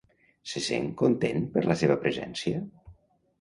Se sent content per la seva presència?